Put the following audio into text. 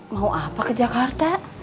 mau apa ke jakarta